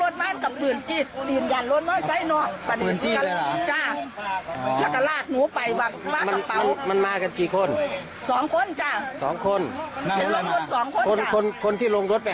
จากเมื่อกี้ระสุขลายแม้ตากลำบวนดังคือถูกใจขึ้นขึ้นออกให้ได้